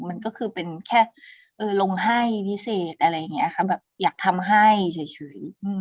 มันก็คือแค่ลงให้พิเศษอยากทำให้เฉย